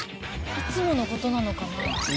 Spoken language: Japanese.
いつもの事なのかな？